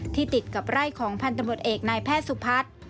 ติดกับไร่ของพันธบรวจเอกนายแพทย์สุพัฒน์